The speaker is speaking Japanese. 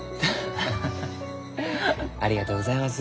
ハハッ！ありがとうございます。